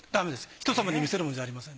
人さまに見せるものじゃありません。